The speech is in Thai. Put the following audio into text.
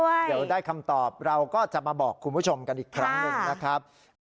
เดี๋ยวได้คำตอบเราก็จะมาบอกคุณผู้ชมกันอีกครั้งหนึ่งนะครับ